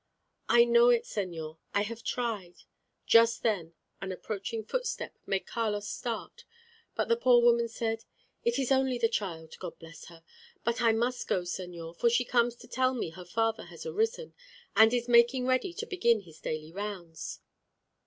"I know it, señor. I have tried " Just then an approaching footstep made Carlos start; but the poor woman said, "It is only the child, God bless her. But I must go, señor; for she comes to tell me her father has arisen, and is making ready to begin his daily rounds."